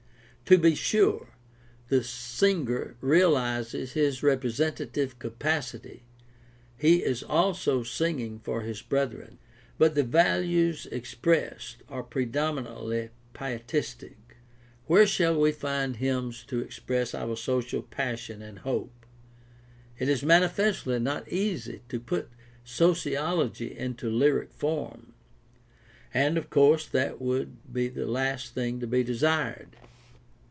To be sure, the singer realizes his representative capacity — he is also singing for his brethren. But the values expressed are pre dominantly pietistic. Where shall we find hymns to express our social passion and hope ? It is manifestly not easy to put sociology into lyric form; and of course that would be the last thing to be desired.